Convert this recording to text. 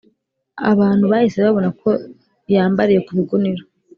Abantu bahise babona ko yambariye ku bigunira